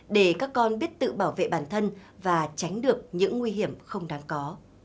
để các con biết tự bảo vệ bản thân và tránh được những nguy hiểm không đáng có